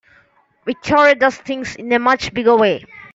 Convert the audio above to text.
Victoria does things in a much bigger way.